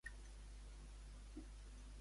Va créixer a Extremadura, per això?